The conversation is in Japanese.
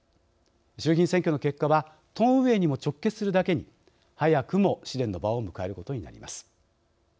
衆議院選挙の結果は党運営にも直結するだけに早くも試練の場を迎えることになります。